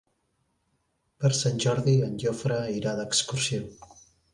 Per Sant Jordi en Jofre irà d'excursió.